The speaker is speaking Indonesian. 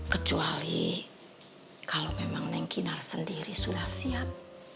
kecuali kalau memang neng kinar sendiri sudah siap